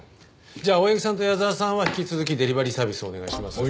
じゃあ青柳さんと矢沢さんは引き続きデリバリーサービスをお願いします。